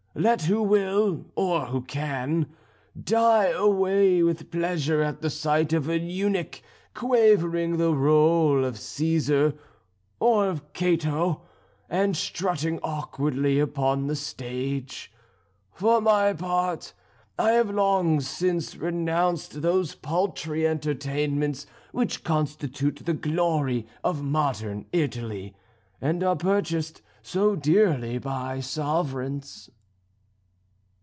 Let who will, or who can, die away with pleasure at the sight of an eunuch quavering the rôle of Cæsar, or of Cato, and strutting awkwardly upon the stage. For my part I have long since renounced those paltry entertainments which constitute the glory of modern Italy, and are purchased so dearly by sovereigns."